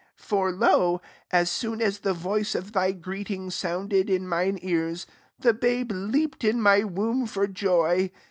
44 Fory hy as soon as the voice of thy greeting sounded in mine earsy the babe leafied in my womb for joy.